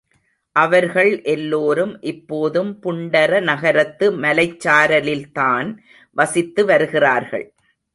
அவர்கள் எல்லோரும் இப்போதும் புண்டர நகரத்து மலைச்சாரலில்தான் வசித்து வருகிறார்கள்.